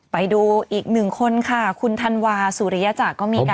ไปดูอีกหนึ่งคนค่ะคุณธันวาสุริยจักรก็มีการ